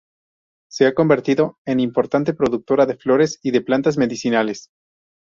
Se ha convertido en importante productora de flores y de plantas medicinales.